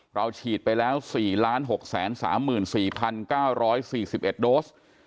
ฉีดไปแล้ว๔๖๓๔๙๔๑โดส